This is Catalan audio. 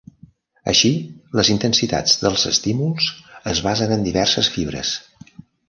Així, les intensitats dels estímuls es basen en diverses fibres.